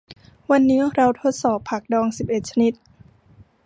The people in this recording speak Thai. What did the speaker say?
วันนี้เราทดสอบผักดองสิบเอ็ดชนิด